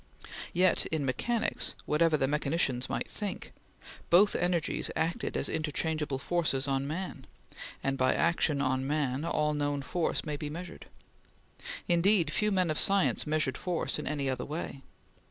Yet in mechanics, whatever the mechanicians might think, both energies acted as interchangeable force on man, and by action on man all known force may be measured. Indeed, few men of science measured force in any other way.